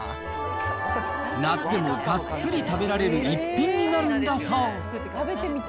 夏でもがっつり食べられる一品になるんだそう。